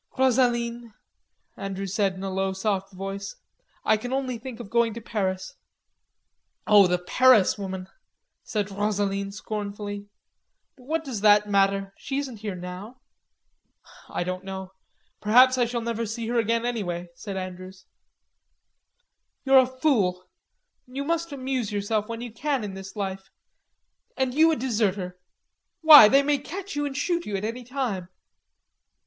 "Rosaline," Andrews said in a low, soft voice, "I can only think of going to Paris." "Oh, the Paris woman," said Rosaline scornfully. "But what does that matter? She isn't here now." "I don't know.... Perhaps I shall never see her again anyway," said Andrews. "You're a fool. You must amuse yourself when you can in this life. And you a deserter.... Why, they may catch you and shoot you any time."